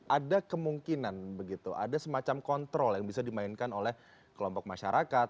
ada kemungkinan begitu ada semacam kontrol yang bisa dimainkan oleh kelompok masyarakat